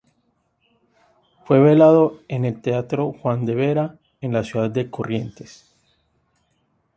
Fue velado en el teatro Juan de Vera, en la ciudad de Corrientes.